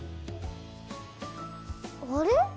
あれ？